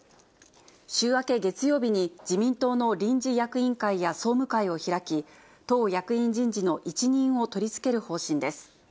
週明け月曜日に、自民党の臨時役員会や総務会を開き、党役員人事の一任を取り付ける方針です。